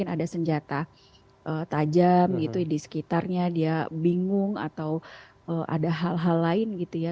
ada senjata tajam gitu di sekitarnya dia bingung atau ada hal hal lain gitu ya